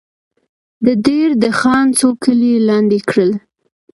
د دیر د خان څو کلي یې لاندې کړل.